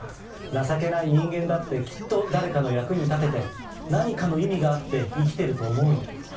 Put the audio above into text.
情けない人間だって、きっと誰かの役に立てて、何かの意味があって生きてると思うの。